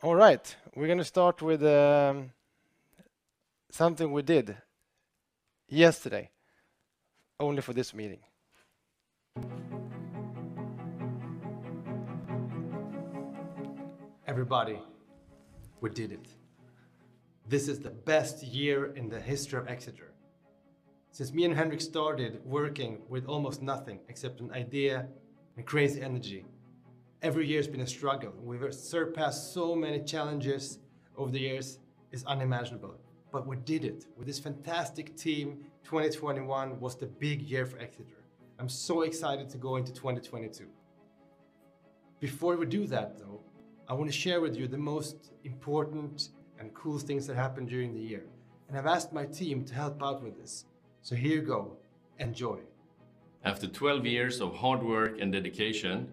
All right. We're gonna start with something we did yesterday only for this meeting. Everybody, we did it. This is the best year in the history of Exeger. Since me and Henrik started working with almost nothing except an idea and crazy energy, every year's been a struggle. We have surpassed so many challenges over the years, it's unimaginable. We did it. With this fantastic team, 2021 was the big year for Exeger. I'm so excited to go into 2022. Before we do that, though, I wanna share with you the most important and cool things that happened during the year, and I've asked my team to help out with this. Here you go. Enjoy. After 12 years of hard work and dedication,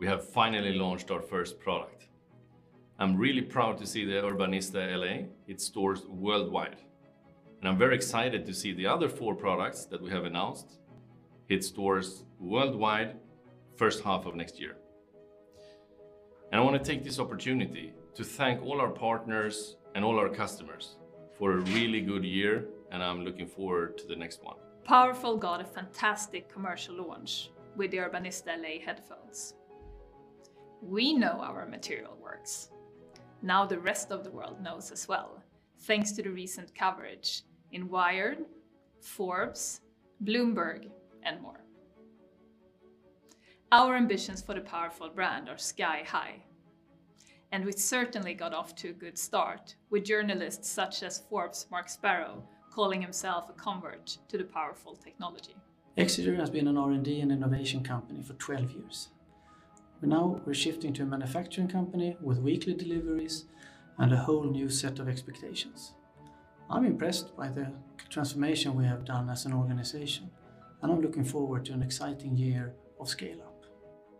we have finally launched our first product. I'm really proud to see the Urbanista LA hit stores worldwide, and I'm very excited to see the other four products that we have announced hit stores worldwide first half of next year. I wanna take this opportunity to thank all our partners and all our customers for a really good year, and I'm looking forward to the next one. Powerfoyle got a fantastic commercial launch with the Urbanista LA headphones. We know our material works. Now the rest of the world knows as well, thanks to the recent coverage in Wired, Forbes, Bloomberg, and more. Our ambitions for the Powerfoyle brand are sky high, and we certainly got off to a good start with journalists such as Forbes Mark Sparrow calling himself a convert to the Powerfoyle technology. Exeger has been an R&D and innovation company for 12 years, but now we're shifting to a manufacturing company with weekly deliveries and a whole new set of expectations. I'm impressed by the transformation we have done as an organization, and I'm looking forward to an exciting year of scale-up.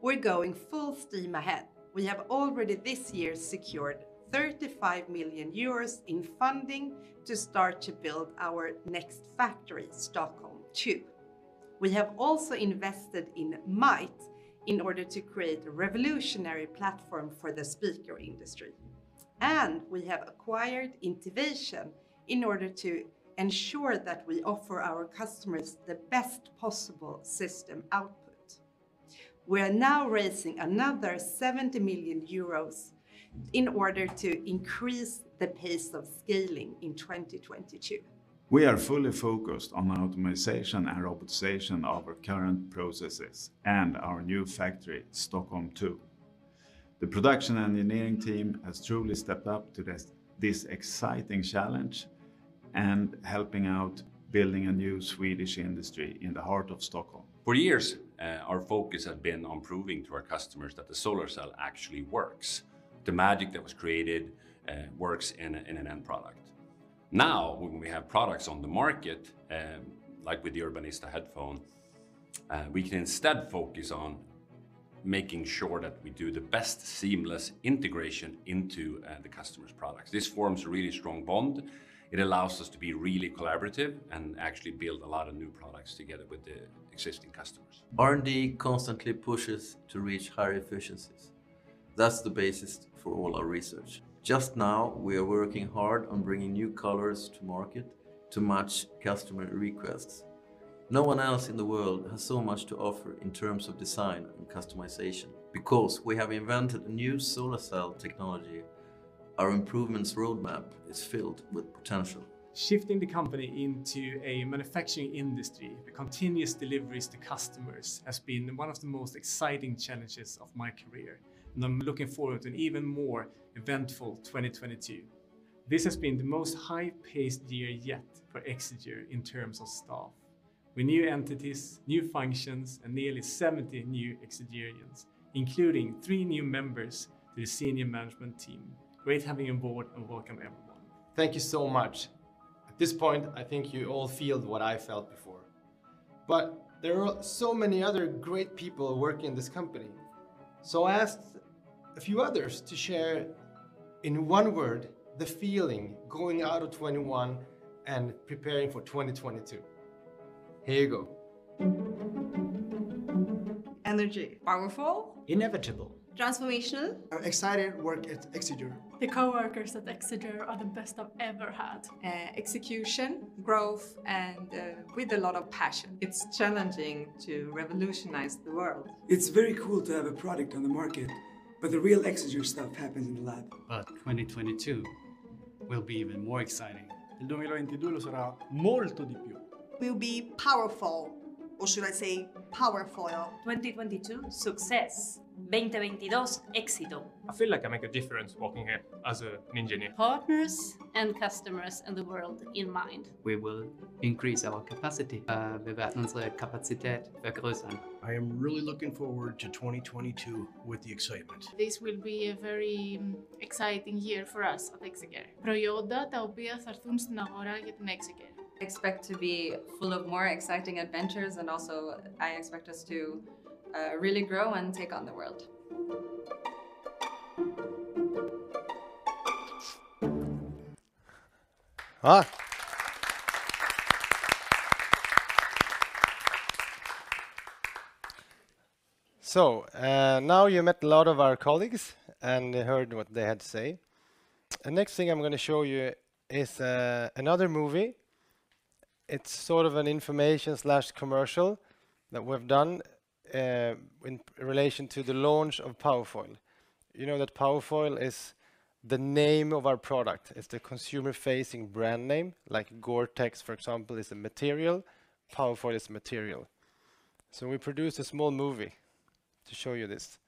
We're going full steam ahead. We have already this year secured 35 million euros in funding to start to build our next factory, Stockholm 2. We have also invested in Mayht in order to create a revolutionary platform for the speaker industry, and we have acquired Intivation in order to ensure that we offer our customers the best possible system output. We are now raising another 70 million euros in order to increase the pace of scaling in 2022. We are fully focused on the optimization and robotization of our current processes and our new factory, Stockholm 2. The production engineering team has truly stepped up to this exciting challenge and helping out building a new Swedish industry in the heart of Stockholm. For years, our focus had been on proving to our customers that the solar cell actually works. The magic that was created works in an end product. Now, when we have products on the market, like with the Urbanista headphone, we can instead focus on making sure that we do the best seamless integration into the customer's products. This forms a really strong bond. It allows us to be really collaborative and actually build a lot of new products together with the existing customers. R&D constantly pushes to reach higher efficiencies. That's the basis for all our research. Just now, we are working hard on bringing new colors to market to match customer requests. No one else in the world has so much to offer in terms of design and customization. Because we have invented new solar cell technology, our improvements roadmap is filled with potential. Shifting the company into a manufacturing industry, the continuous deliveries to customers has been one of the most exciting challenges of my career, and I'm looking forward to an even more eventful 2022. This has been the most high-paced year yet for Exeger in terms of staff with new entities, new functions, and nearly 70 new Exegerians, including three new members to the senior management team. Great having you on board, and welcome everyone. Thank you so much. At this point, I think you all feel what I felt before. There are so many other great people working in this company, so I asked a few others to share in one word the feeling going out of 2021 and preparing for 2022. Here you go. Energy. Powerfoyle. Inevitable. Transformational. I'm excited to work at Exeger. The coworkers at Exeger are the best I've ever had. Execution. Growth and with a lot of passion. It's challenging to revolutionize the world. It's very cool to have a product on the market, but the real Exeger stuff happens in the lab. 2022 will be even more exciting. Will be powerful. Should I say Powerfoyle? 2022, success. Exito. I feel like I make a difference working here as an engineer. Partners and customers and the world in mind. We will increase our capacity. I am really looking forward to 2022 with the excitement. This will be a very exciting year for us at Exeger. Expect to be full of more exciting adventures, and also I expect us to really grow and take on the world. Now you met a lot of our colleagues and heard what they had to say. The next thing I'm gonna show you is another movie. It's sort of an information/commercial that we've done in relation to the launch of Powerfoyle. You know that Powerfoyle is the name of our product. It's the consumer-facing brand name, like GORE-TEX, for example, is a material, Powerfoyle is material. We produced a small movie to show you this.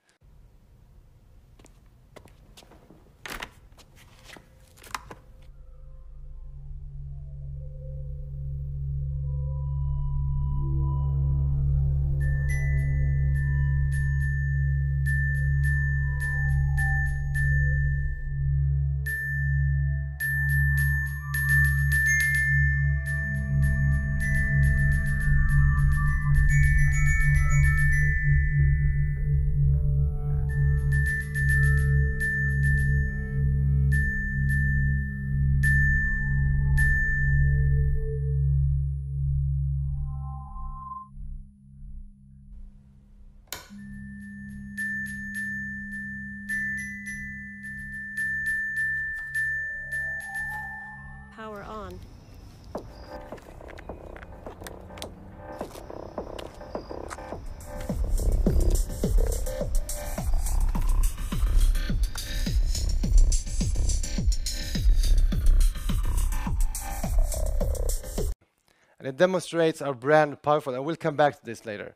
Power on. It demonstrates our brand, Powerfoyle. I will come back to this later.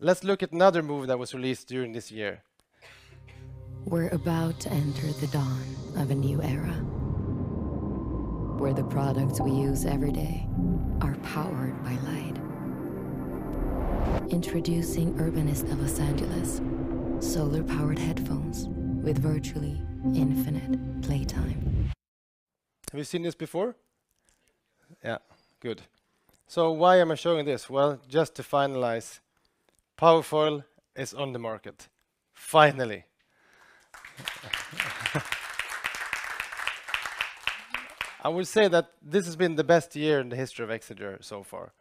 Let's look at another movie that was released during this year. We're about to enter the dawn of a new era where the products we use every day are powered by light. Introducing Urbanista Los Angeles, solar-powered headphones with virtually infinite playtime. Have you seen this before? Yeah. Good. So why am I showing this? Well, just to finalize, Powerfoyle is on the market. Finally. I will say that this has been the best year in the history of Exeger so far.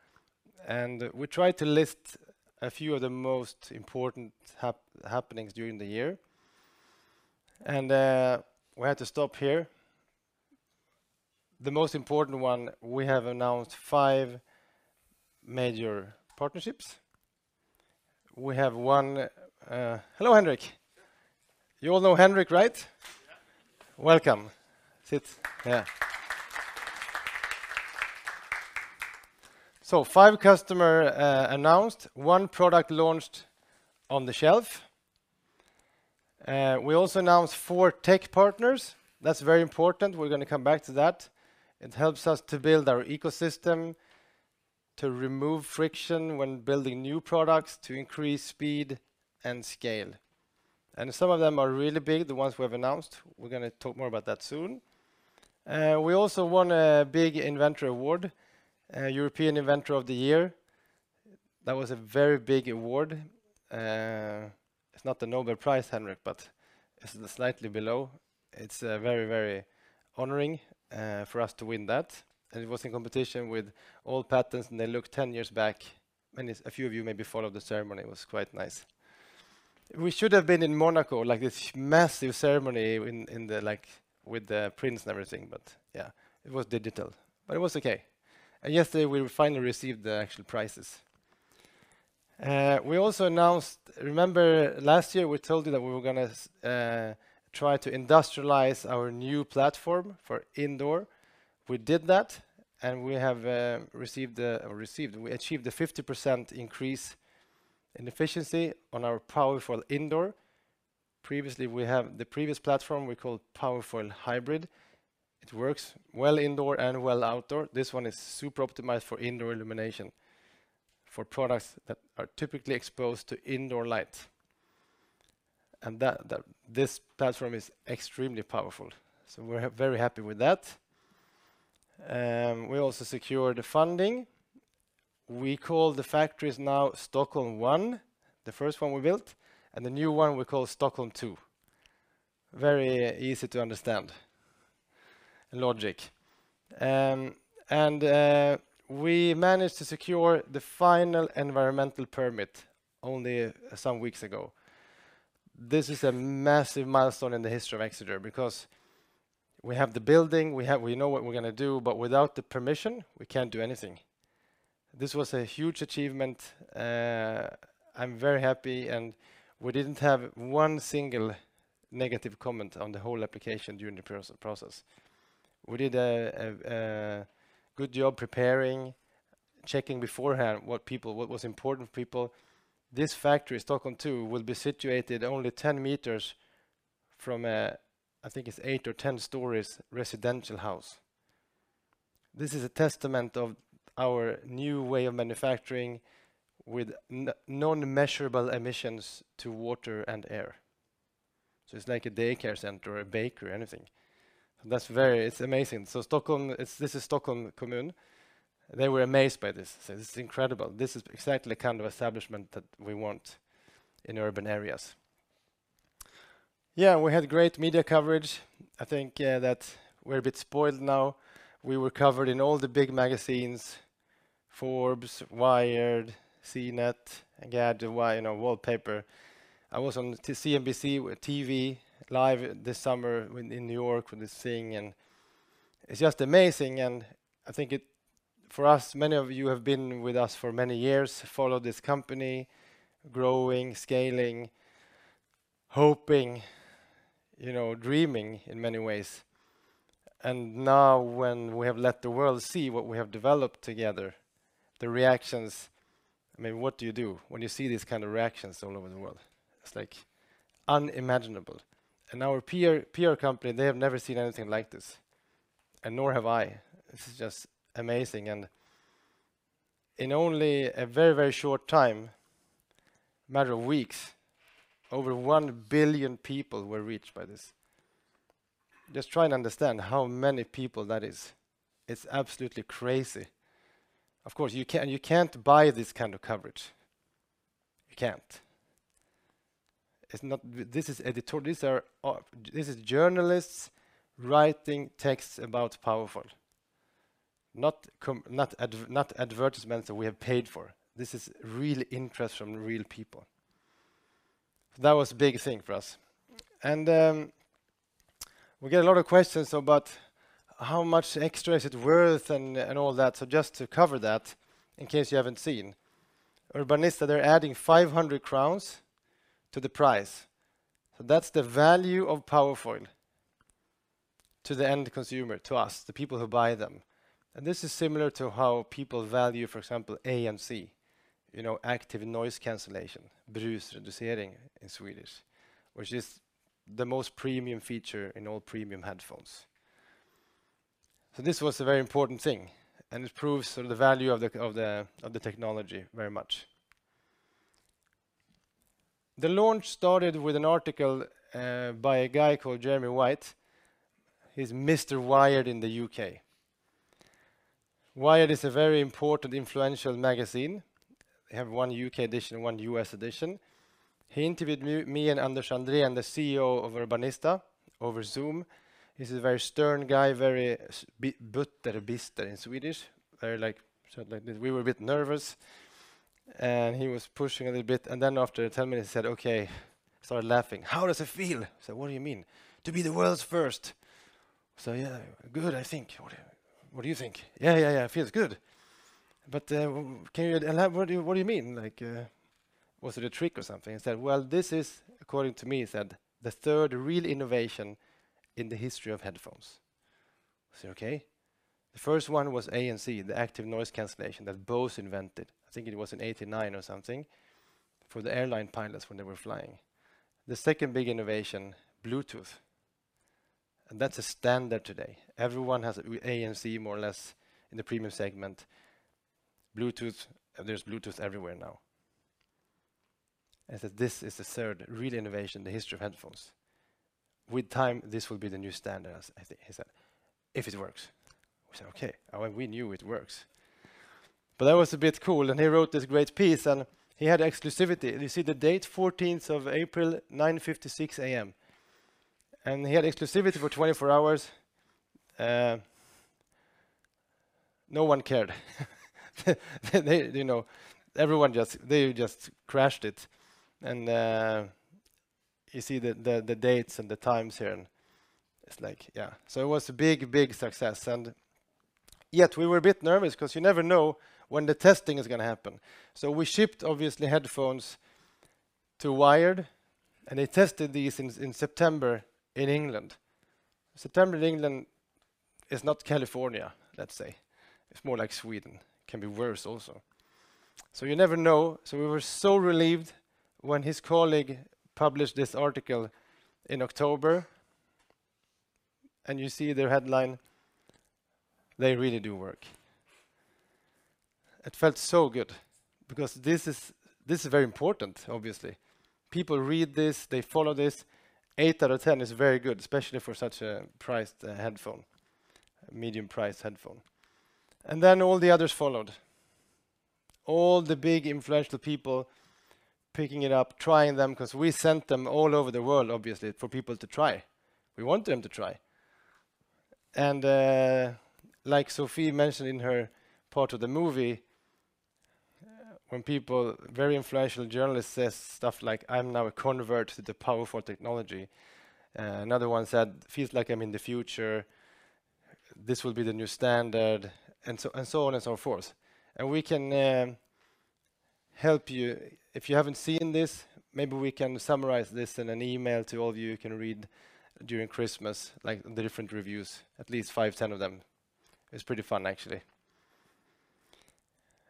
We tried to list a few of the most important happenings during the year, and we had to stop here. The most important one, we have announced five major partnerships. We have one. Hello, Henrik. You all know Henrik, right? Yeah. Welcome. Sit. Yeah. Five customers announced, one product launched on the shelf. We also announced four tech partners. That's very important. We're gonna come back to that. It helps us to build our ecosystem, to remove friction when building new products, to increase speed and scale. Some of them are really big, the ones we have announced. We're gonna talk more about that soon. We also won a big inventor award, European Inventor of the Year. That was a very big award. It's not the Nobel Prize, Henrik, but it's slightly below. It's very, very honoring for us to win that. It was in competition with all patents, and they looked 10 years back. A few of you maybe followed the ceremony. It was quite nice. We should have been in Monaco, like, this massive ceremony in the, like, with the prince and everything, but yeah. It was digital. It was okay. Yesterday, we finally received the actual prizes. We also announced. Remember last year, we told you that we were gonna try to industrialize our new platform for indoor. We did that, and we have received, we achieved a 50% increase in efficiency on our Powerfoyle Indoor. Previously, the previous platform we called Powerfoyle Hybrid. It works well indoor and well outdoor. This one is super optimized for indoor illumination, for products that are typically exposed to indoor light. This platform is extremely powerful, so we're very happy with that. We also secured the funding. We call the factories now Stockholm One, the first one we built, and the new one we call Stockholm Two. Very easy to understand. Logic. We managed to secure the final environmental permit only some weeks ago. This is a massive milestone in the history of Exeger because we have the building, we know what we're gonna do, but without the permission, we can't do anything. This was a huge achievement. I'm very happy, and we didn't have one single negative comment on the whole application during the process. We did a good job preparing, checking beforehand what was important for people. This factory, Stockholm Two, will be situated only 10 meters from a, I think it's 8 or 10 stories, residential house. This is a testament of our new way of manufacturing with non-measurable emissions to water and air. It's like a daycare center or a bakery, anything. That's amazing. Stockholm, this is Stockholms kommun. They were amazed by this. They said, It's incredible. This is exactly the kind of establishment that we want in urban areas. Yeah, we had great media coverage. I think that we're a bit spoiled now. We were covered in all the big magazines, Forbes, Wired, CNET, Engadget, you know, Wallpaper. I was on CNBC TV live this summer in New York for this thing, and it's just amazing, and I think for us, many of you have been with us for many years, followed this company, growing, scaling, hoping, you know, dreaming in many ways. Now, when we have let the world see what we have developed together, the reactions, I mean, what do you do when you see these kind of reactions all over the world? It's like unimaginable. Our PR company, they have never seen anything like this, and nor have I. This is just amazing. In only a very, very short time, a matter of weeks, over 1 billion people were reached by this. Just try and understand how many people that is. It's absolutely crazy. Of course, you can't buy this kind of coverage. You can't. It's not. This is editorial. These are, this is journalists writing texts about Powerfoyle. Not advertisements that we have paid for. This is real interest from real people. That was a big thing for us. We get a lot of questions about how much extra is it worth and all that. Just to cover that, in case you haven't seen. Urbanista, they're adding 500 crowns to the price. That's the value of Powerfoyle to the end consumer, to us, the people who buy them. This is similar to how people value, for example, ANC, you know, active noise cancellation, brusreducerande in Swedish, which is the most premium feature in all premium headphones. This was a very important thing, and it proves sort of the value of the technology very much. The launch started with an article by a guy called Jeremy White. He's Mr. Wired in the U.K. Wired is a very important influential magazine. They have one U.K. edition and one U.S. edition. He interviewed me and Anders Andréen, the CEO of Urbanista, over Zoom. He's a very stern guy, very bister in Swedish. Very like, sort of like this. We were a bit nervous, and he was pushing a little bit. Then after 10 minutes, he said, Okay. Started laughing. How does it feel? I said, What do you mean? To be the world's first. So yeah, Good, I think. What do you think? Yeah, yeah, it feels good. But can you—what do you mean? Like, was it a trick or something? He said, Well, this is, according to me, the third real innovation in the history of headphones. I say, Okay. The first one was ANC, the active noise cancellation that Bose invented. I think it was in 1989 or something, for the airline pilots when they were flying. The second big innovation, Bluetooth. That's a standard today. Everyone has ANC, more or less, in the premium segment. Bluetooth, there's Bluetooth everywhere now. I said, This is the third real innovation in the history of headphones. With time, this will be the new standard, he said, if it works. We said, Okay. We knew it works. That was a bit cool, and he wrote this great piece, and he had exclusivity. You see the date, 14th of April, 9:56 A.M., and he had exclusivity for 24 hours. No one cared. They, you know, everyone just crashed it. You see the dates and the times here, and it's like, yeah. It was a big success. Yet we were a bit nervous because you never know when the testing is going to happen. We shipped, obviously, headphones to Wired, and they tested these things in September in England. September in England is not California, let's say. It's more like Sweden. Can be worse also. You never know. We were so relieved when his colleague published this article in October, and you see their headline, They really do work. It felt so good because this is very important, obviously. People read this, they follow this. Eight out of 10 is very good, especially for such a priced headphone, medium-priced headphone. Then all the others followed. All the big influential people picking it up, trying them, because we sent them all over the world, obviously, for people to try. We want them to try. Like Sofie mentioned in her part of the movie, when people, very influential journalists say stuff like, I'm now a convert to the Powerfoyle technology. Another one said, Feels like I'm in the future. This will be the new standard. So on and so forth. We can help you. If you haven't seen this, maybe we can summarize this in an email to all of you can read during Christmas, like the different reviews, at least five, 10 of them. It's pretty fun, actually.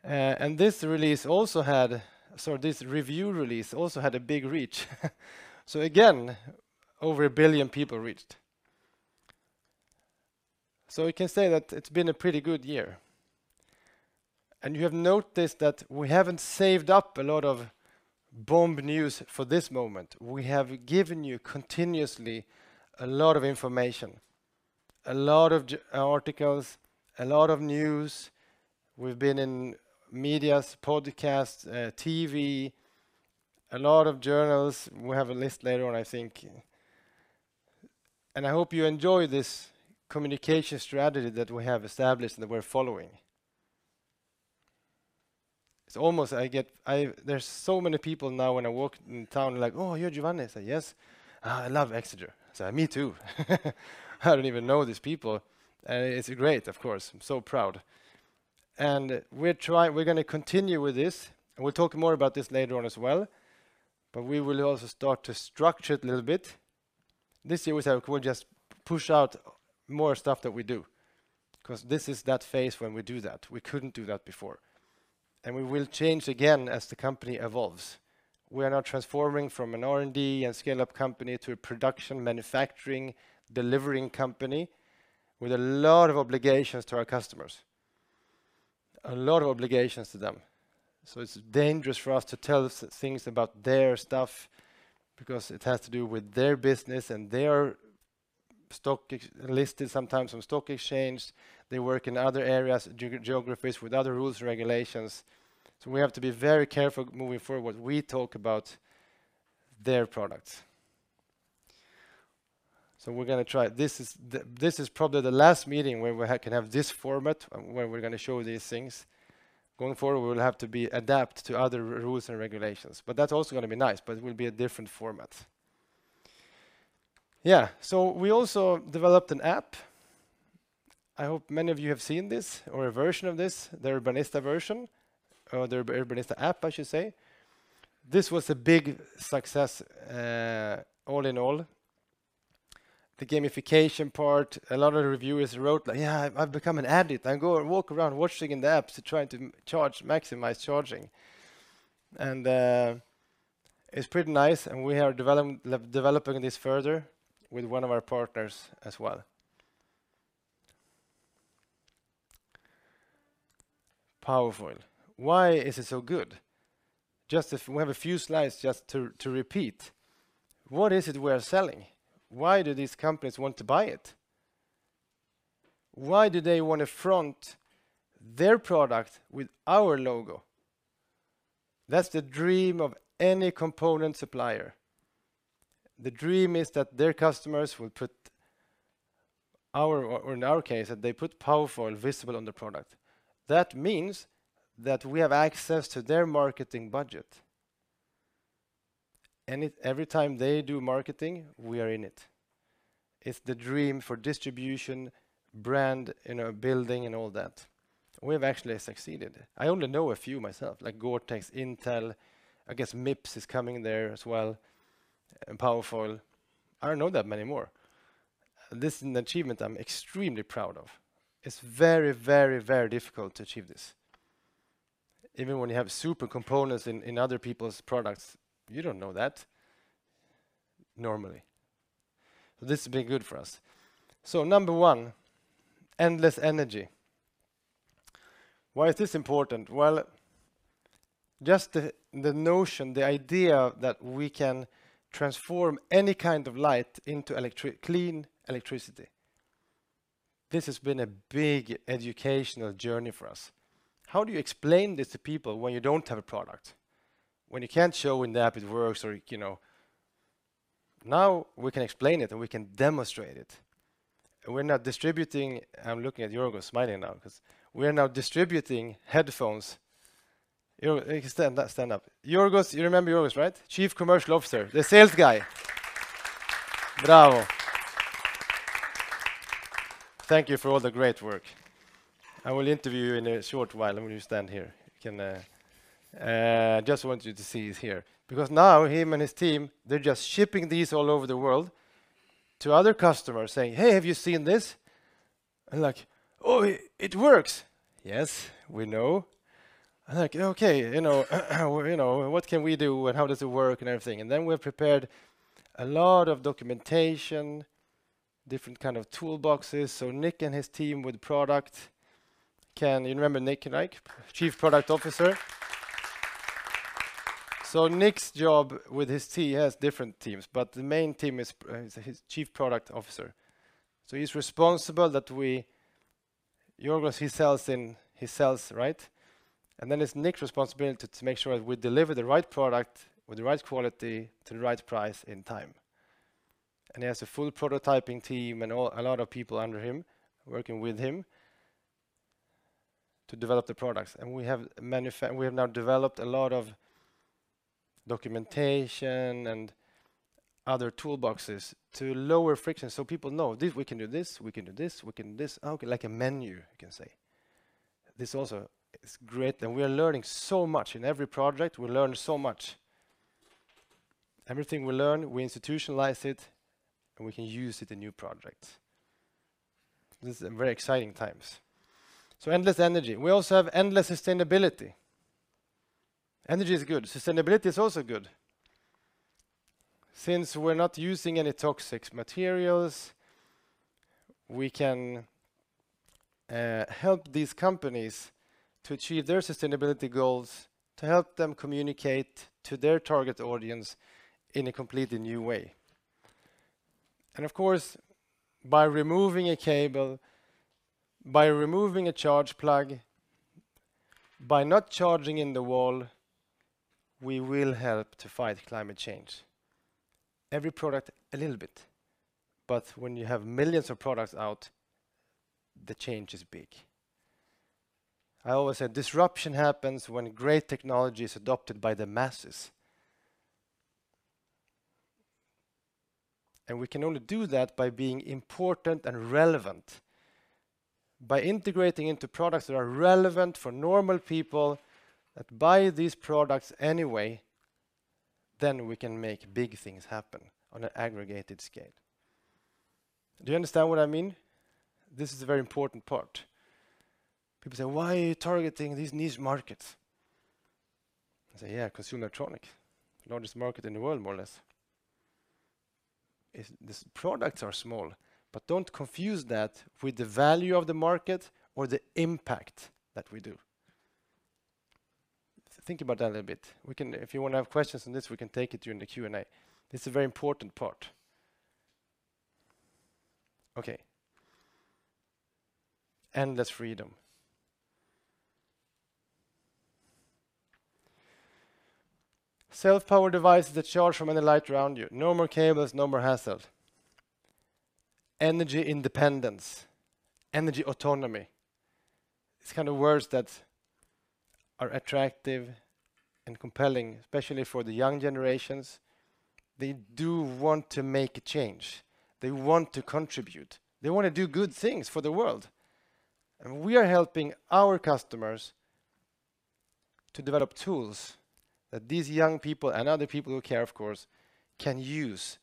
This release also had, so this review release also had a big reach. So again, over 1 billion people reached. We can say that it's been a pretty good year. You have noticed that we haven't saved up a lot of big news for this moment. We have given you continuously a lot of information. A lot of articles, a lot of news. We've been in media's podcast, TV, a lot of journals. We have a list later on, I think. I hope you enjoy this communication strategy that we have established and that we're following. It's almost there's so many people now when I walk in town, they're like, Oh, you're Giovanni. I say, Yes. I love Exeger. I say, Me too. I don't even know these people. It's great, of course. I'm so proud. We're gonna continue with this, and we'll talk more about this later on as well, but we will also start to structure it a little bit. This year, we said we would just push out more stuff that we do 'cause this is that phase when we do that. We couldn't do that before. We will change again as the company evolves. We are now transforming from an R&D and scale-up company to a production, manufacturing, delivering company with a lot of obligations to our customers, a lot of obligations to them. It's dangerous for us to tell things about their stuff because it has to do with their business and their stock listed sometimes on stock exchange. They work in other areas, geographies with other rules and regulations. We have to be very careful moving forward when we talk about their products. We're gonna try. This is probably the last meeting where we can have this format, where we're gonna show these things. Going forward, we will have to adapt to other rules and regulations, but that's also gonna be nice, but it will be a different format. Yeah. We also developed an app. I hope many of you have seen this or a version of this, the Urbanista version, or the Urbanista app, I should say. This was a big success, all in all. The gamification part, a lot of the reviewers wrote like, Yeah, I've become an addict. I go walk around watching in the app to try to charge, maximize charging. It's pretty nice, and we are developing this further with one of our partners as well. Powerfoyle. Why is it so good? We have a few slides just to repeat. What is it we're selling? Why do these companies want to buy it? Why do they wanna front their product with our logo? That's the dream of any component supplier. The dream is that their customers will put our... Or in our case, that they put Powerfoyle visible on their product. That means that we have access to their marketing budget. And every time they do marketing, we are in it. It's the dream for distribution, brand, you know, building and all that. We have actually succeeded. I only know a few myself, like GORE-TEX, Intel, I guess MIPS is coming there as well, and Powerfoyle. I don't know that many more. This is an achievement I'm extremely proud of. It's very, very, very difficult to achieve this. Even when you have super components in other people's products, you don't know that normally. This has been good for us. Number one, endless energy. Why is this important? Well, just the notion, the idea that we can transform any kind of light into clean electricity. This has been a big educational journey for us. How do you explain this to people when you don't have a product? When you can't show in the app it works or, you know. Now we can explain it, and we can demonstrate it. We're now distributing. I'm looking at Giorgos smiling now 'cause we are now distributing headphones. You know, you can stand up. Giorgos, you remember Giorgos, right? Chief Commercial Officer, the sales guy. Bravo. Thank you for all the great work. I will interview you in a short while. I want you to stand here. I just want you to see he's here. Because now him and his team, they're just shipping these all over the world to other customers saying, Hey, have you seen this? Like, Oh, it works. Yes, we know. Like, Okay, you know, what can we do, and how does it work and everything? Then we're prepared a lot of documentation, different kind of toolboxes. Nick and his team with product can. You remember Nick, right? Chief Product Officer. Nick's job with his team, he has different teams, but the main team is his chief product officer. He's responsible that we. Giorgos, he sells in, he sells right. Then it's Nick's responsibility to make sure that we deliver the right product with the right quality to the right price in time. He has a full prototyping team and all, a lot of people under him working with him to develop the products. We have now developed a lot of documentation and other toolboxes to lower friction, so people know this, we can do this, we can do this, we can do this. Okay, like a menu, you can say. This also is great, and we are learning so much. In every project, we learn so much. Everything we learn, we institutionalize it, and we can use it in new projects. This is a very exciting times. Endless energy. We also have endless sustainability. Energy is good. Sustainability is also good. Since we're not using any toxic materials, we can help these companies to achieve their sustainability goals, to help them communicate to their target audience in a completely new way. Of course, by removing a cable, by removing a charge plug, by not charging in the wall, we will help to fight climate change. Every product a little bit. When you have millions of products out, the change is big. I always say disruption happens when great technology is adopted by the masses. We can only do that by being important and relevant. By integrating into products that are relevant for normal people that buy these products anyway, then we can make big things happen on an aggregated scale. Do you understand what I mean? This is a very important part. People say, Why are you targeting these niche markets? I say, Yeah, consumer electronic, largest market in the world, more or less. These products are small, but don't confuse that with the value of the market or the impact that we do. Think about that a little bit. We can if you wanna have questions on this, we can take it during the Q&A. This is a very important part. Okay. Endless freedom. Self-powered devices that charge from any light around you. No more cables, no more hassles. Energy independence, energy autonomy. It's kind of words that are attractive and compelling, especially for the young generations. They do want to make a change. They want to contribute. They wanna do good things for the world. We are helping our customers to develop tools that these young people, and other people who care, of course, can use.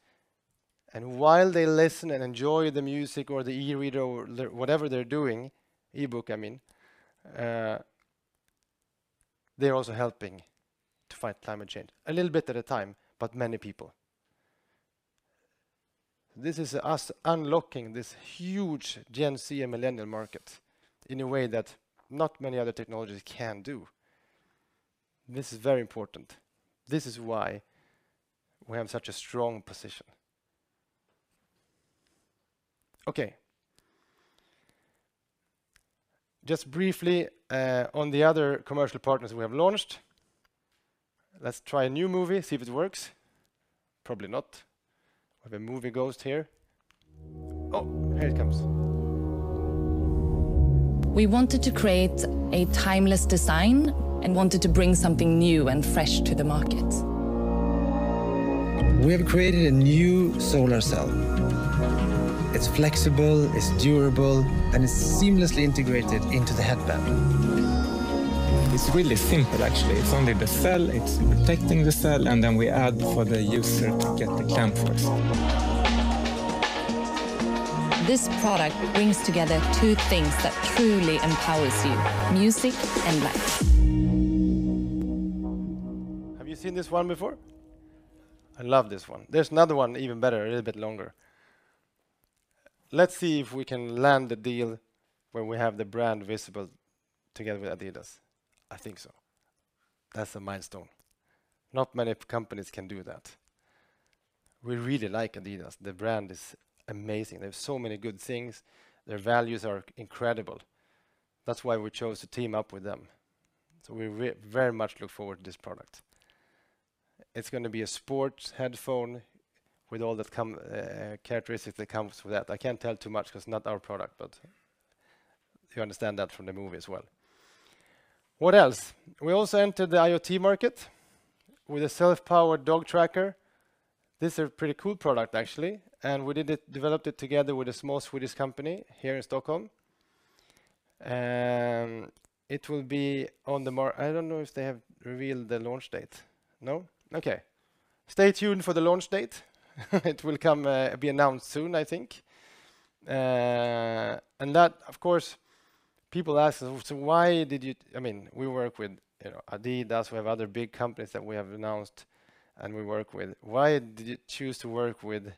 While they listen and enjoy the music or the e-reader or whatever they're doing, e-book, I mean, they're also helping to fight climate change a little bit at a time, but many people. This is us unlocking this huge Gen Z and millennial market in a way that not many other technologies can do. This is very important. This is why we have such a strong position. Okay. Just briefly, on the other commercial partners we have launched. Let's try a new movie, see if it works. Probably not. We have a movie ghost here. Oh, here it comes. We wanted to create a timeless design and wanted to bring something new and fresh to the market. We have created a new solar cell. It's flexible, it's durable, and it's seamlessly integrated into the headband. It's really simple, actually. It's only the cell, it's protecting the cell, and then we add for the user to get the clamp first. This product brings together two things that truly empowers you, music and light. Have you seen this one before? I love this one. There's another one even better, a little bit longer. Let's see if we can land the deal where we have the brand visible together with adidas. I think so. That's a milestone. Not many companies can do that. We really like adidas. The brand is amazing. They have so many good things. Their values are incredible. That's why we chose to team up with them. We very much look forward to this product. It's gonna be a sports headphone with all the comfort characteristics that comes with that. I can't tell too much 'cause it's not our product, but you understand that from the movie as well. What else? We also entered the IoT market with a self-powered dog tracker. This is a pretty cool product, actually, and we developed it together with a small Swedish company here in Stockholm. It will be on the market. I don't know if they have revealed the launch date. No? Okay. Stay tuned for the launch date. It will come, be announced soon, I think. That, of course, people ask, So why did you... I mean, we work with, you know, adidas, we have other big companies that we have announced and we work with. Why did you choose to work with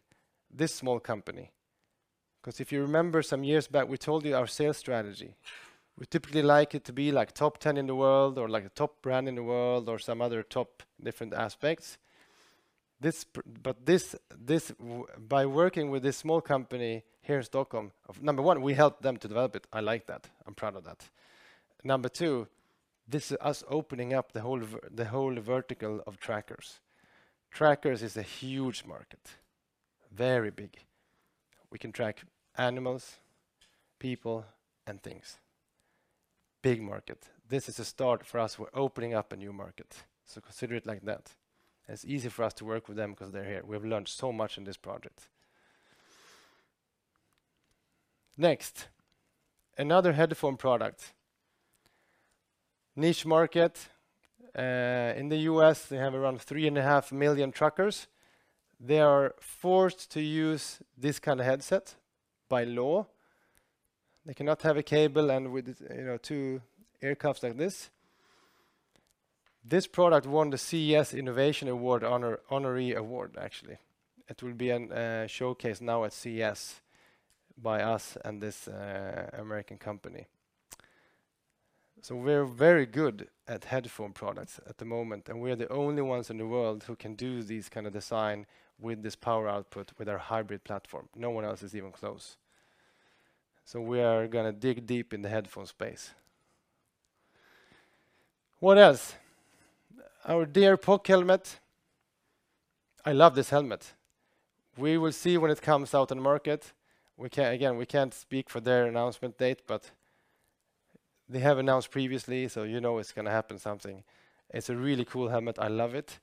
this small company? 'Cause if you remember some years back, we told you our sales strategy. We typically like it to be like top 10 in the world or like a top brand in the world or some other top different aspects. By working with this small company here in Stockholm, number one, we helped them to develop it. I like that. I'm proud of that. Number two, this is us opening up the whole vertical of trackers. Trackers is a huge market. Very big. We can track animals, people, and things. Big market. This is a start for us. We're opening up a new market, so consider it like that. It's easy for us to work with them 'cause they're here. We have learned so much in this project. Next, another headphone product. Niche market. In the U.S., they have around 3.5 million truckers. They are forced to use this kind of headset by law. They cannot have a cable and with, you know, two ear cuffs like this. This product won the CES Innovation Awards Honoree, actually. It will be in showcase now at CES by us and this American company. We're very good at headphone products at the moment, and we are the only ones in the world who can do this kind of design with this power output, with our hybrid platform. No one else is even close. We are gonna dig deep in the headphone space. What else? Our dear POC helmet. I love this helmet. We will see when it comes out in the market. Again, we can't speak for their announcement date, but they have announced previously, so you know it's gonna happen something. It's a really cool helmet. I love it.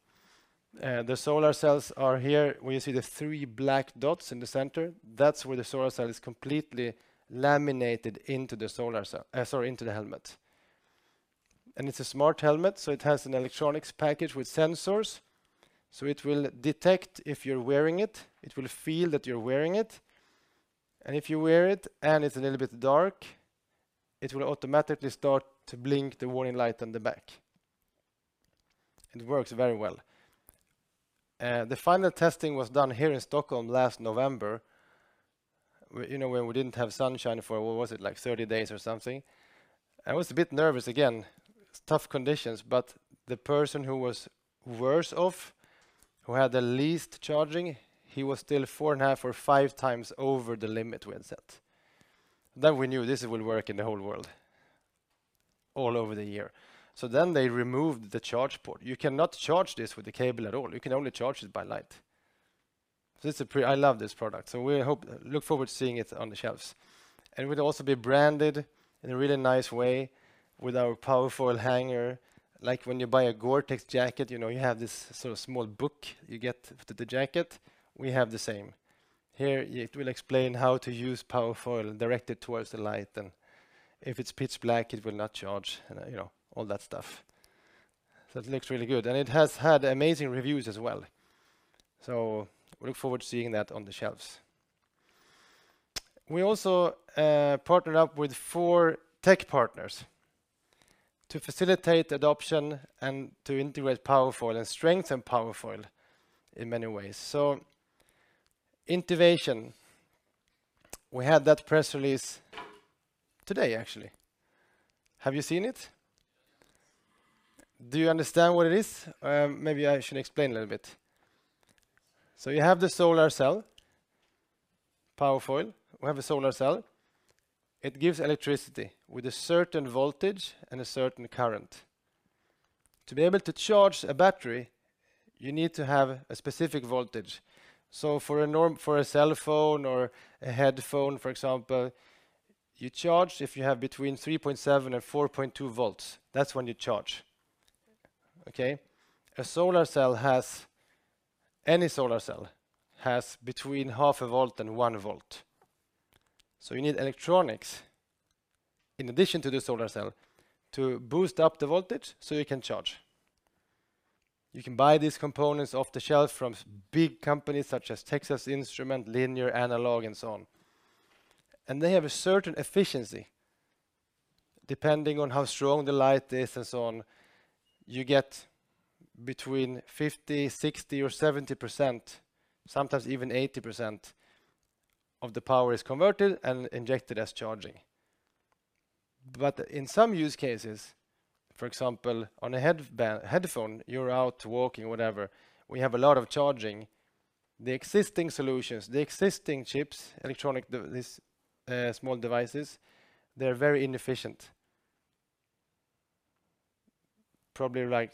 The solar cells are here, where you see the three black dots in the center. That's where the solar cell is completely laminated into the helmet. It's a smart helmet, so it has an electronics package with sensors, so it will detect if you're wearing it. It will feel that you're wearing it. If you wear it and it's a little bit dark, it will automatically start to blink the warning light on the back. It works very well. The final testing was done here in Stockholm last November. You know, when we didn't have sunshine for, what was it? Like, 30 days or something. I was a bit nervous again. It's tough conditions, but the person who was worse off, who had the least charging, he was still 4.5x or 5x over the limit we had set. We knew this would work in the whole world all over the year. They removed the charge port. You cannot charge this with a cable at all. You can only charge it by light. I love this product, so we look forward to seeing it on the shelves. It will also be branded in a really nice way with our Powerfoyle hanger. Like, when you buy a GORE-TEX jacket, you know, you have this sort of small book you get with the jacket. We have the same. Here, it will explain how to use Powerfoyle, direct it towards the light, and if it's pitch black, it will not charge, and, you know, all that stuff. It looks really good. It has had amazing reviews as well. Look forward to seeing that on the shelves. We also partnered up with four tech partners to facilitate adoption and to integrate Powerfoyle and strengthen Powerfoyle in many ways. Intivation, we had that press release today, actually. Have you seen it? Yes. Do you understand what it is? Maybe I should explain a little bit. You have the solar cell, Powerfoyle. We have a solar cell. It gives electricity with a certain voltage and a certain current. To be able to charge a battery, you need to have a specific voltage. For a cell phone or a headphone, for example, you charge if you have between 3.7 and 4.2 volts. That's when you charge. Okay? Any solar cell has between 0.5 and 1 volt. You need electronics in addition to the solar cell to boost up the voltage so you can charge. You can buy these components off the shelf from big companies such as Texas Instruments, Linear Technology and so on. They have a certain efficiency. Depending on how strong the light is and so on, you get between 50%, 60% or 70%, sometimes even 80% of the power is converted and injected as charging. In some use cases, for example, on a headphone, you're out walking, whatever, we have a lot of charging. The existing solutions, the existing chips, these small devices, they're very inefficient. Probably like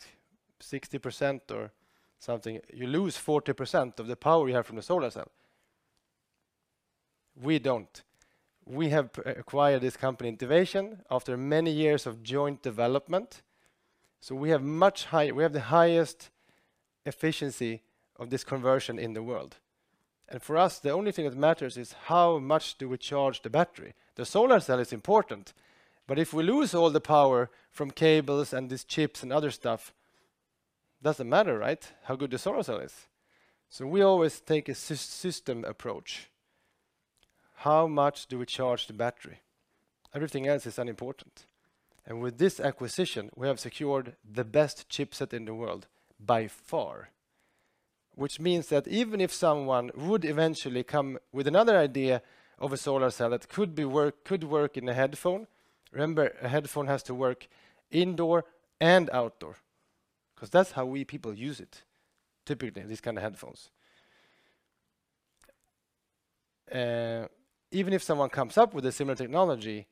60% or something. You lose 40% of the power you have from the solar cell. We don't. We have acquired this company, Intivation, after many years of joint development, so we have the highest efficiency of this conversion in the world. For us, the only thing that matters is how much do we charge the battery? The solar cell is important, but if we lose all the power from cables and these chips and other stuff, it doesn't matter, right, how good the solar cell is. We always take a system approach. How much do we charge the battery? Everything else is unimportant. With this acquisition, we have secured the best chipset in the world by far, which means that even if someone would eventually come with another idea of a solar cell that could work in a headphone, remember, a headphone has to work indoor and outdoor because that's how we people use it, typically, these kind of headphones. Even if someone comes up with a similar technology,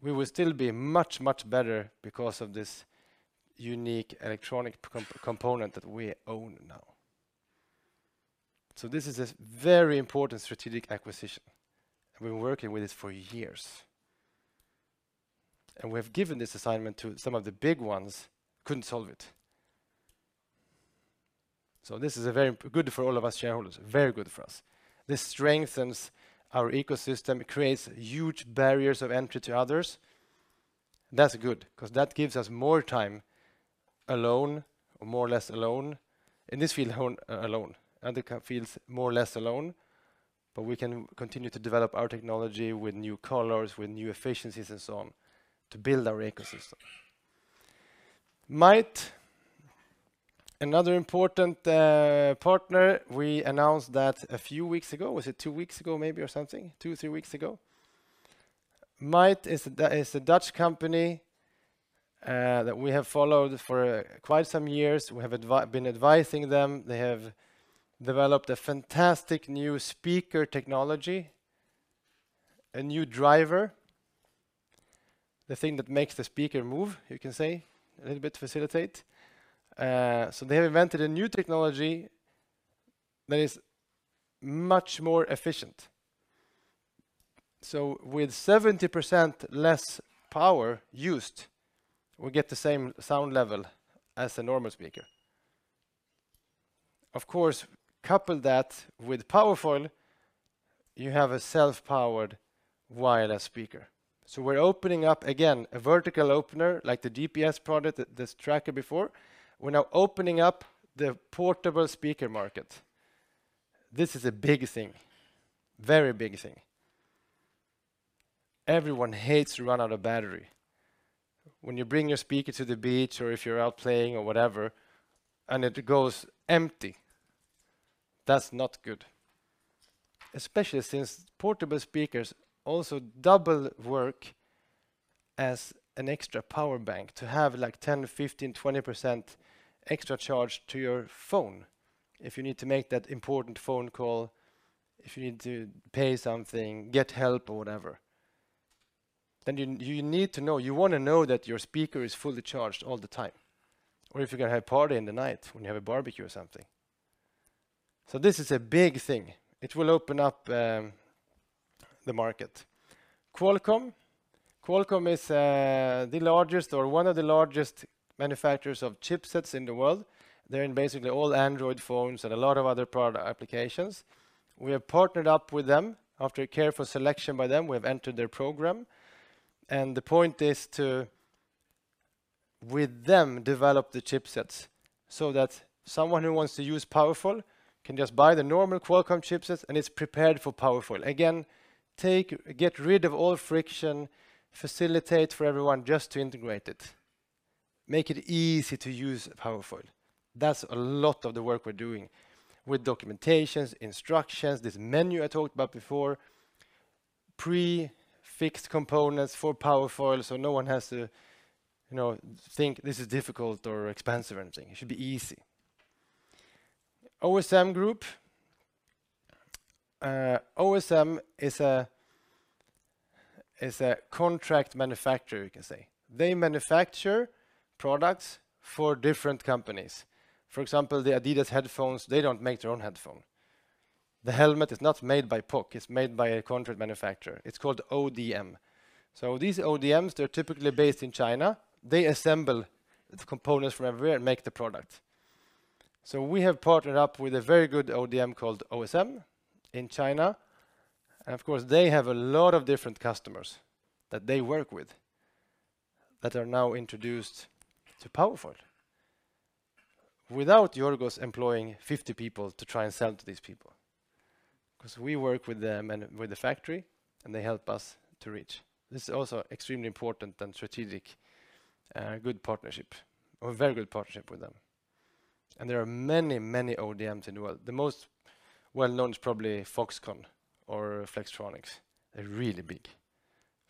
we will still be much, much better because of this unique electronic component that we own now. This is a very important strategic acquisition, and we've been working with this for years. We have given this assignment to some of the big ones, couldn't solve it. This is a very good for all of us shareholders, very good for us. This strengthens our ecosystem. It creates huge barriers of entry to others. That's good because that gives us more time alone or more or less alone in this field, alone, and it kind of feels more or less alone. We can continue to develop our technology with new colors, with new efficiencies and so on to build our ecosystem. Mayht, another important partner, we announced that a few weeks ago. Was it two weeks ago maybe or something? Two, three weeks ago. Mayht is the Dutch company that we have followed for quite some years. We have been advising them. They have developed a fantastic new speaker technology, a new driver, the thing that makes the speaker move, you can say, a little bit facilitate. They have invented a new technology that is much more efficient. With 70% less power used, we get the same sound level as a normal speaker. Of course, couple that with Powerfoyle, you have a self-powered wireless speaker. We're opening up again, a vertical opener like the GPS product, this tracker before. We're now opening up the portable speaker market. This is a big thing, very big thing. Everyone hates to run out of battery. When you bring your speaker to the beach, or if you're out playing or whatever, and it goes empty, that's not good. Especially since portable speakers also double as an extra power bank to have, like, 10%, 15%, 20% extra charge to your phone if you need to make that important phone call, if you need to pay something, get help or whatever. You need to know, you wanna know that your speaker is fully charged all the time, or if you're going to have party in the night when you have a barbecue or something. This is a big thing. It will open up the market. Qualcomm is the largest or one of the largest manufacturers of chipsets in the world. They're in basically all Android phones and a lot of other product applications. We have partnered up with them. After a careful selection by them, we have entered their program. The point is to, with them, develop the chipsets so that someone who wants to use Powerfoyle can just buy the normal Qualcomm chipsets, and it's prepared for Powerfoyle. Again, get rid of all friction, facilitate for everyone just to integrate it, make it easy to use Powerfoyle. That's a lot of the work we're doing with documentation, instructions, this menu I talked about before, pre-fixed components for Powerfoyle, so no one has to, you know, think this is difficult or expensive or anything. It should be easy. OSM Group. OSM is a contract manufacturer, you can say. They manufacture products for different companies. For example, the adidas headphones, they don't make their own headphone. The helmet is not made by POC. It's made by a contract manufacturer. It's called ODM. So these ODMs, they're typically based in China. They assemble the components from everywhere and make the product. We have partnered up with a very good ODM called OSM in China. Of course, they have a lot of different customers that they work with that are now introduced to Powerfoyle without Georgios employing 50 people to try and sell to these people. We work with them and with the factory, and they help us to reach. This is also extremely important and strategic, good partnership or very good partnership with them. There are many, many ODMs in the world. The most well-known is probably Foxconn or Flextronics. They're really big.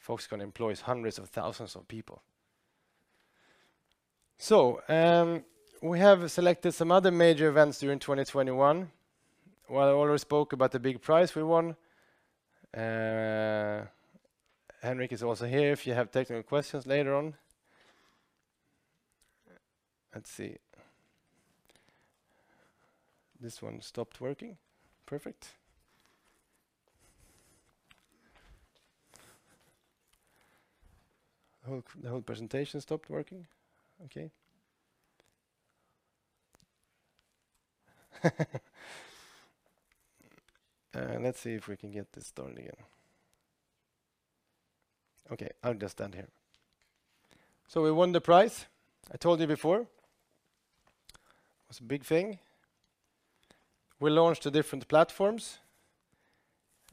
Foxconn employs hundreds of thousands of people. We have selected some other major events during 2021. While I already spoke about the big prize we won, Henrik is also here if you have technical questions later on. Let's see. This one stopped working. Perfect. The whole presentation stopped working. Okay. Let's see if we can get this started again. Okay, I'll just stand here. We won the prize. I told you before. It was a big thing. We launched the different platforms.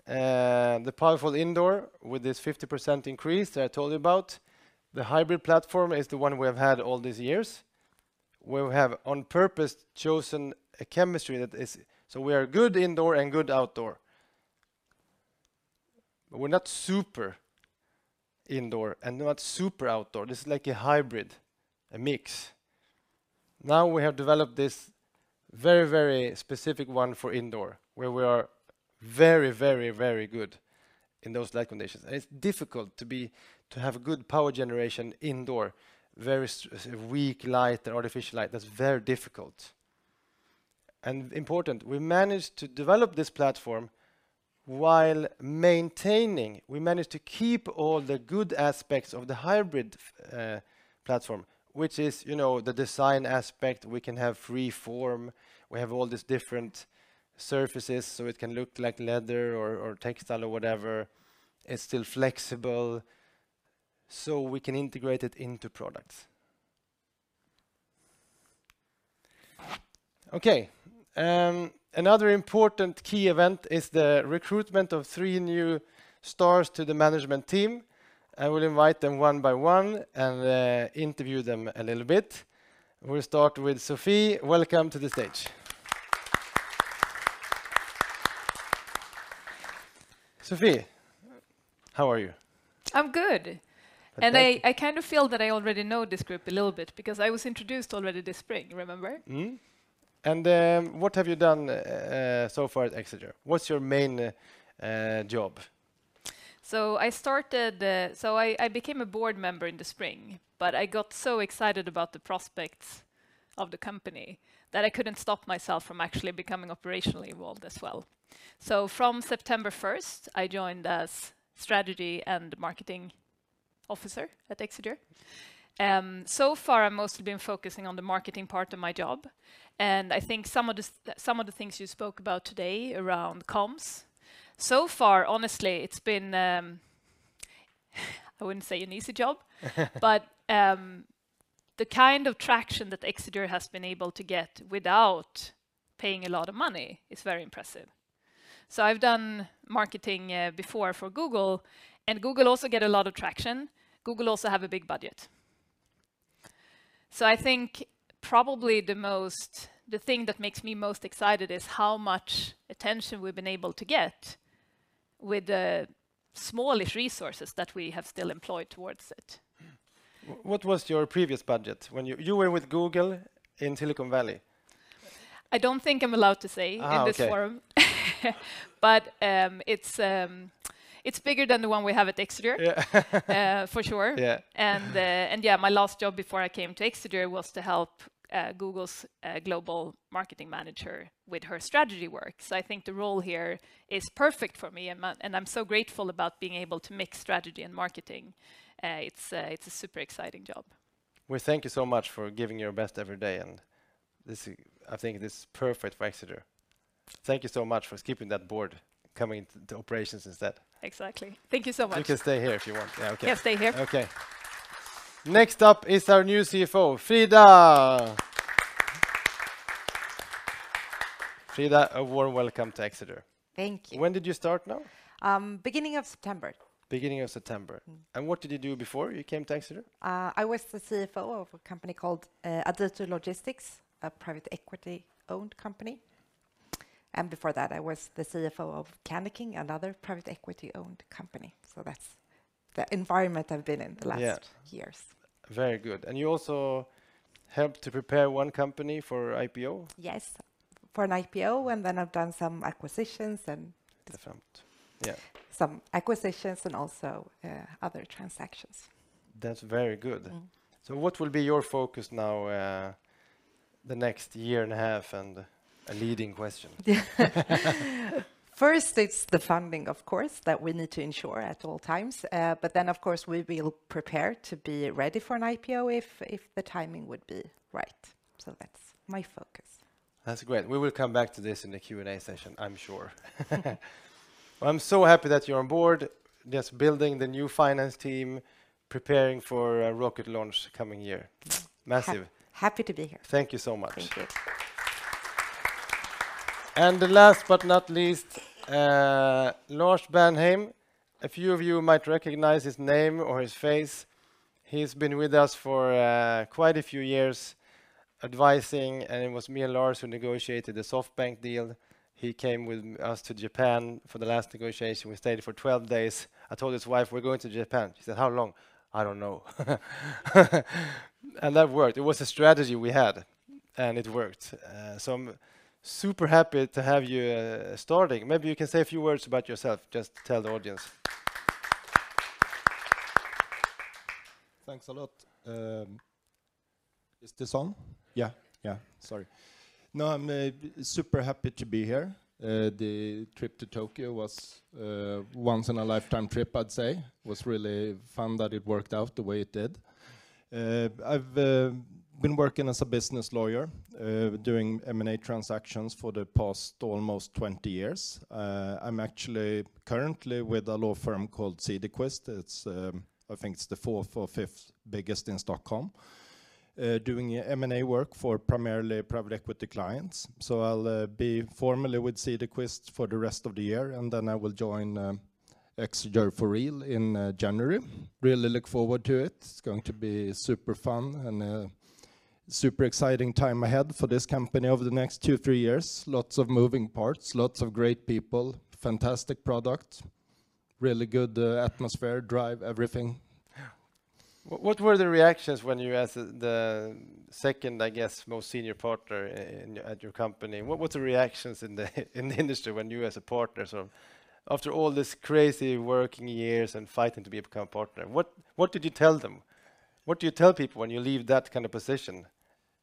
The Powerfoyle Indoor with this 50% increase that I told you about. The hybrid platform is the one we have had all these years, where we have on purpose chosen a chemistry that is good indoor and good outdoor. We're not super indoor and not super outdoor. This is like a hybrid, a mix. Now we have developed this very, very specific one for indoor, where we are very, very, very good in those light conditions. It's difficult to have good power generation indoor, very weak light and artificial light. That's very difficult. Important, we managed to keep all the good aspects of the hybrid platform, which is, you know, the design aspect. We can have free form, we have all these different surfaces, so it can look like leather or textile or whatever. It's still flexible, so we can integrate it into products. Okay. Another important key event is the recruitment of three new stars to the management team. I will invite them one by one and interview them a little bit. We'll start with Sofie. Welcome to the stage. Sofie, how are you? I'm good. Okay. I kind of feel that I already know this group a little bit because I was introduced already this spring, remember? Mm-hmm. What have you done so far at Exeger? What's your main job? I became a board member in the spring, but I got so excited about the prospects of the company that I couldn't stop myself from actually becoming operationally involved as well. From September first, I joined as strategy and marketing officer at Exeger. So far, I've mostly been focusing on the marketing part of my job, and I think some of the things you spoke about today around comms, so far, honestly, it's been I wouldn't say an easy job. The kind of traction that Exeger has been able to get without paying a lot of money is very impressive. I've done marketing before for Google, and Google also get a lot of traction. Google also have a big budget. I think probably the thing that makes me most excited is how much attention we've been able to get with the smallish resources that we have still employed towards it. What was your previous budget when you were with Google in Silicon Valley? I don't think I'm allowed to say. Oh, okay. in this forum. It's bigger than the one we have at Exeger. Yeah. For sure. Yeah. My last job before I came to Exeger was to help Google's global marketing manager with her strategy work. I think the role here is perfect for me, and I'm so grateful about being able to mix strategy and marketing. It's a super exciting job. Well, thank you so much for giving your best every day, and this, I think this is perfect for Exeger. Thank you so much for skipping that board, coming into the operations instead. Exactly. Thank you so much. You can stay here if you want. Yeah, okay. Yeah, I'll stay here. Okay. Next up is our new CFO, Frida. Frida, a warm welcome to Exeger. Thank you. When did you start now? Beginning of September. Beginning of September. Mm-hmm. What did you do before you came to Exeger? I was the CFO of a company called Aditro Logistics, a private equity-owned company. Before that, I was the CFO of Candyking, another private equity-owned company. That's the environment I've been in the last- Yeah. -years. Very good. You also helped to prepare one company for IPO? Yes, for an IPO, and then I've done some acquisitions and. Different. Yeah. Some acquisitions and also, other transactions. That's very good. Mm-hmm. What will be your focus now, the next year and a half. A leading question. Yeah. First, it's the funding, of course, that we need to ensure at all times. Of course, we will prepare to be ready for an IPO if the timing would be right. That's my focus. That's great. We will come back to this in the Q&A session, I'm sure. I'm so happy that you're on board, just building the new finance team, preparing for a rocket launch coming year. Massive. Happy to be here. Thank you so much. Thank you. The last but not least, Lars Bärnheim. A few of you might recognize his name or his face. He's been with us for quite a few years advising, and it was me and Lars who negotiated the SoftBank deal. He came with us to Japan for the last negotiation. We stayed for 12 days. I told his wife, We're going to Japan. She said, How long? I don't know. That worked. It was a strategy we had, and it worked. I'm super happy to have you starting. Maybe you can say a few words about yourself, just tell the audience. Thanks a lot. Is this on? Yeah, yeah. Sorry. No, I'm super happy to be here. The trip to Tokyo was once in a lifetime trip, I'd say. Was really fun that it worked out the way it did. I've been working as a business lawyer doing M&A transactions for the past almost 20 years. I'm actually currently with a law firm called Cederquist. It's, I think it's the fourth or fifth biggest in Stockholm. Doing M&A work for primarily private equity clients. I'll be formally with Cederquist for the rest of the year, and then I will join Exeger for real in January. Really look forward to it. It's going to be super fun and super exciting time ahead for this company over the next two, three years. Lots of moving parts, lots of great people, fantastic product, really good atmosphere, drive, everything. What were the reactions when you as the second, I guess, most senior partner at your company? What were the reactions in the industry when you as a partner? After all this crazy working years and fighting to become partner, what did you tell them? What do you tell people when you leave that kind of position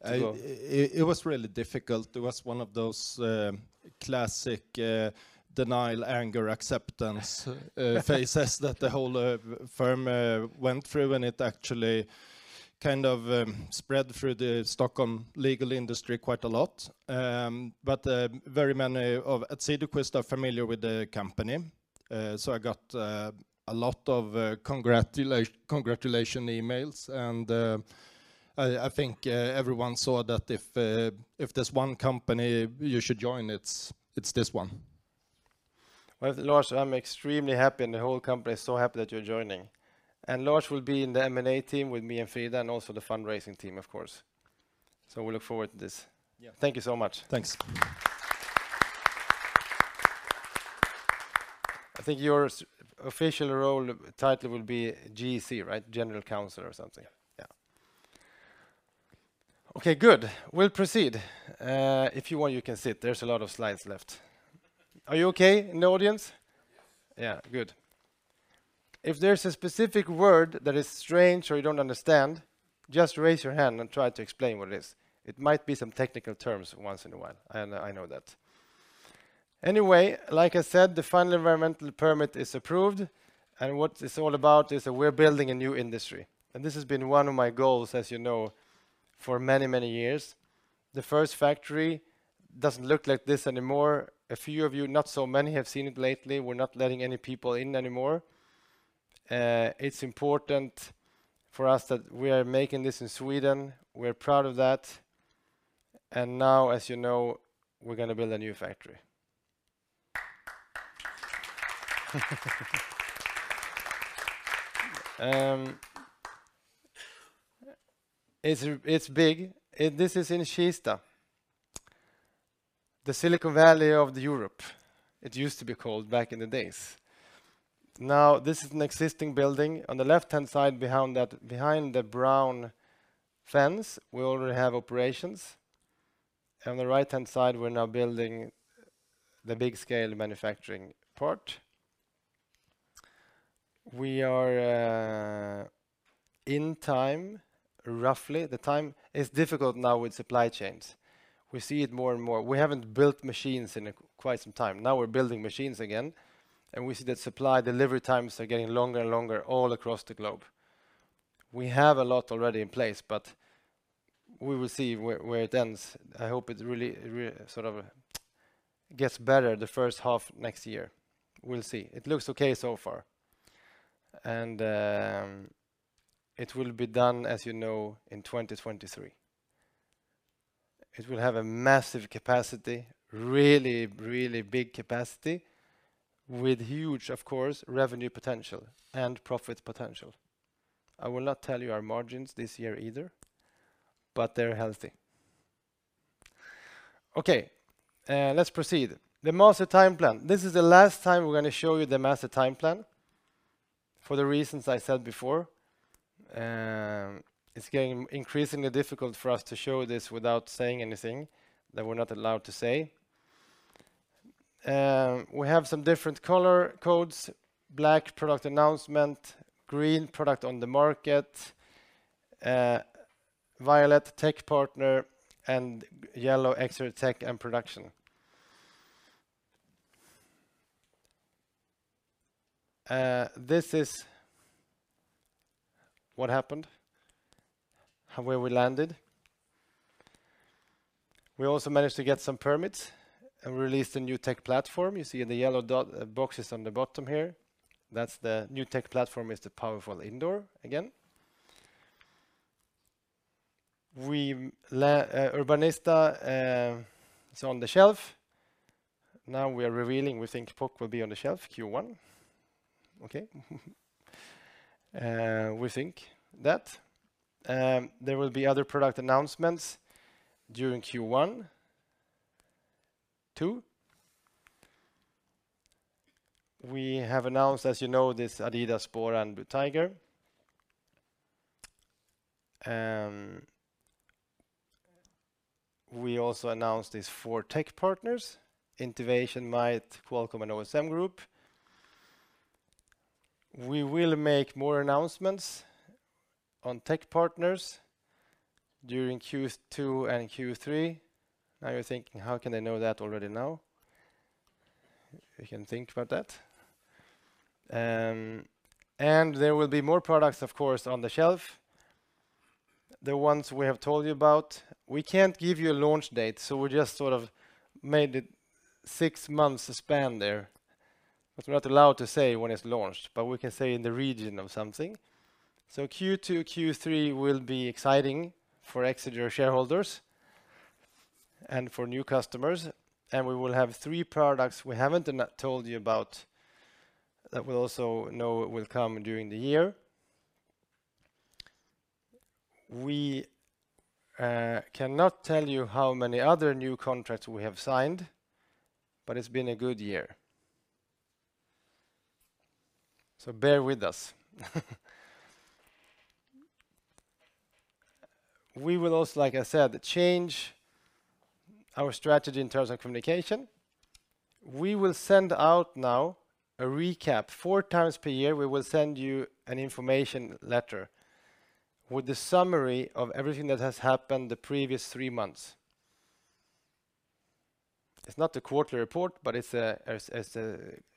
to go? It was really difficult. It was one of those classic denial, anger, acceptance phases that the whole firm went through, and it actually kind of spread through the Stockholm legal industry quite a lot. But very many at Cederquist are familiar with the company. So I got a lot of congratulations emails, and I think everyone saw that if there's one company you should join, it's this one. Well, Lars, I'm extremely happy, and the whole company is so happy that you're joining. Lars will be in the M&A team with me and Frida, and also the fundraising team, of course. We look forward to this. Yeah. Thank you so much. Thanks. I think your official role title will be GC, right? General Counsel or something. Yeah. Yeah. Okay, good. We'll proceed. If you want, you can sit. There's a lot of slides left. Are you okay in the audience? Yes. Yeah, good. If there's a specific word that is strange or you don't understand, just raise your hand and try to explain what it is. It might be some technical terms once in a while. I know, I know that. Anyway, like I said, the final environmental permit is approved and what it's all about is that we're building a new industry. This has been one of my goals, as you know, for many, many years. The first factory doesn't look like this anymore. A few of you, not so many, have seen it lately. We're not letting any people in anymore. It's important for us that we are making this in Sweden. We're proud of that. Now, as you know, we're gonna build a new factory. It's big. This is in Kista, the Silicon Valley of Europe. It used to be called back in the days. Now, this is an existing building. On the left-hand side, behind that, behind the brown fence, we already have operations. On the right-hand side, we're now building the big scale manufacturing part. We are in time, roughly. The time is difficult now with supply chains. We see it more and more. We haven't built machines in quite some time. Now we're building machines again, and we see that supply delivery times are getting longer and longer all across the globe. We have a lot already in place, but we will see where it ends. I hope it really, really sort of gets better the first half next year. We'll see. It looks okay so far. It will be done, as you know, in 2023. It will have a massive capacity, really, really big capacity with huge, of course, revenue potential and profit potential. I will not tell you our margins this year either, but they're healthy. Okay, let's proceed. The master timeline. This is the last time we're gonna show you the master timeline for the reasons I said before. It's getting increasingly difficult for us to show this without saying anything that we're not allowed to say. We have some different color codes. Black, product announcement, green, product on the market, violet, tech partner, and yellow, extra tech and production. This is what happened and where we landed. We also managed to get some permits and released a new tech platform. You see the yellow boxes on the bottom here. That's the new tech platform, it's the Powerfoyle Indoor again. Urbanista is on the shelf. Now we are revealing we think POC will be on the shelf Q1. There will be other product announcements during Q1, Q2. We have announced, as you know, this adidas sport and Blue Tiger. We also announced these four tech partners, Intivation, Mayht, Qualcomm, and OSM Group. We will make more announcements on tech partners during Q2 and Q3. Now you're thinking, how can they know that already? We can think about that. There will be more products, of course, on the shelf, the ones we have told you about. We can't give you a launch date, so we just sort of made it six month span there. We're not allowed to say when it's launched, but we can say in the region of something. Q2, Q3 will be exciting for Exeger shareholders and for new customers. We will have three products we haven't told you about that we also know will come during the year. We cannot tell you how many other new contracts we have signed, but it's been a good year. Bear with us. We will also, like I said, change our strategy in terms of communication. We will send out now a recap. 4x per year, we will send you an information letter with a summary of everything that has happened the previous three months. It's not a quarterly report, but it's a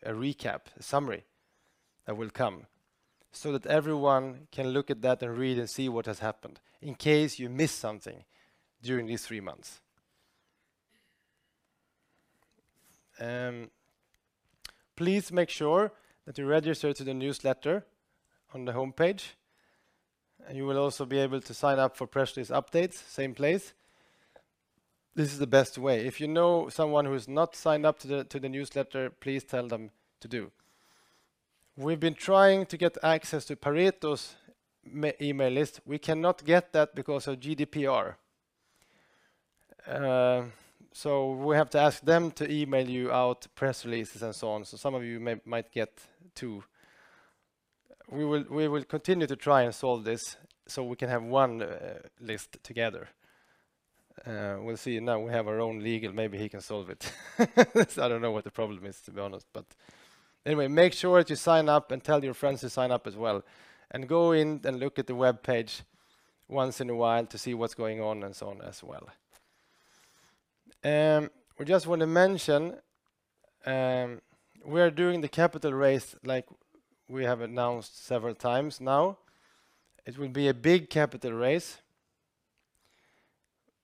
recap, a summary that will come so that everyone can look at that and read and see what has happened in case you missed something during these three months. Please make sure that you register to the newsletter on the homepage, and you will also be able to sign up for press release updates, same place. This is the best way. If you know someone who is not signed up to the newsletter, please tell them to do. We've been trying to get access to Pareto's email list. We cannot get that because of GDPR. So we have to ask them to email you out press releases and so on. So some of you might get two. We will continue to try and solve this, so we can have one list together. We'll see. Now we have our own legal, maybe he can solve it. I don't know what the problem is, to be honest. Anyway, make sure to sign up and tell your friends to sign up as well. Go in and look at the webpage once in a while to see what's going on and so on as well. We just wanna mention, we're doing the capital raise like we have announced several times now. It will be a big capital raise.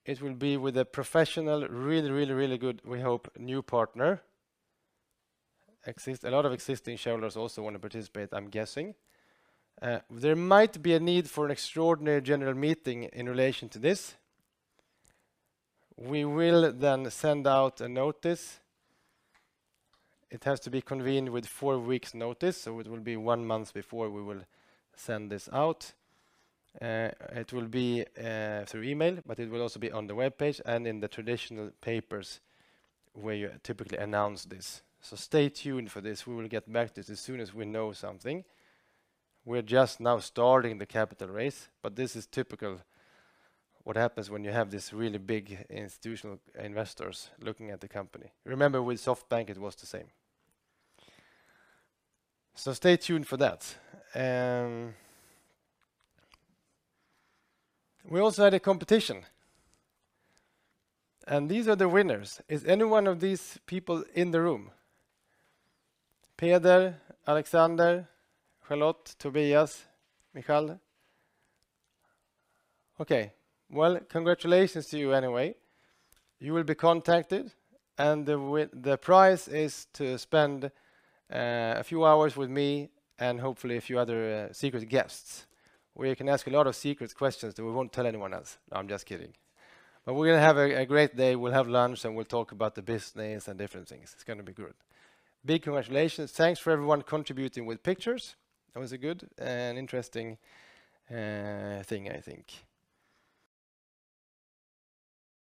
It will be with a professional, really good, we hope, new partner. A lot of existing shareholders also wanna participate, I'm guessing. There might be a need for an extraordinary general meeting in relation to this. We will then send out a notice. It has to be convened with four weeks notice, so it will be one month before we will send this out. It will be through email, but it will also be on the webpage and in the traditional papers where you typically announce this. Stay tuned for this. We will get back to this as soon as we know something. We're just now starting the capital raise, but this is typical what happens when you have these really big institutional investors looking at the company. Remember, with SoftBank, it was the same. Stay tuned for that. We also had a competition, and these are the winners. Is any one of these people in the room? Peder, Alexander, Charlotte, Tobias, Michal. Okay. Well, congratulations to you anyway. You will be contacted, and the prize is to spend a few hours with me and hopefully a few other secret guests, where you can ask a lot of secret questions that we won't tell anyone else. No, I'm just kidding. We're gonna have a great day. We'll have lunch, and we'll talk about the business and different things. It's gonna be good. Big congratulations. Thanks for everyone contributing with pictures. That was a good and interesting thing, I think.